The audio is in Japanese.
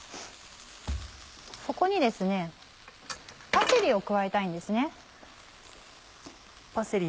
そこにパセリを加えたいんです。